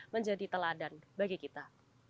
menjadi teladan bagi kita